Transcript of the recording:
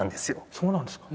そうなんですか。